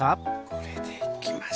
これでいきます。